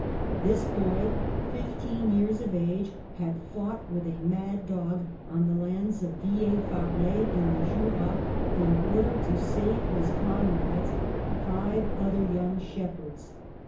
This boy, fifteen years of age, had fought with a mad dog on the lands of Villers Farlay, in the Jura, in order to save his comrades, five other young 172 PASTEUR shepherds.